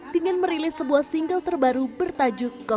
dengan merilis sebuah single terbaru bertajuk